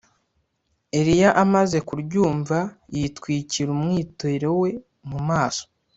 Eliya amaze kuryumva yitwikira umwitero we mu maso